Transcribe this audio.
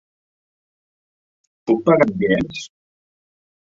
Puc pagar amb diners?